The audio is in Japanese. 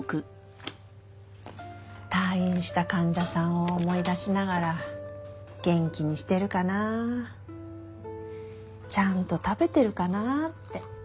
退院した患者さんを思い出しながら元気にしてるかなちゃんと食べてるかなって。